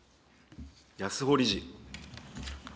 安保理事。